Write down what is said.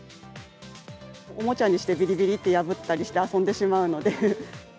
おもちゃにしてびりびりって破ったりして遊んでしまうので。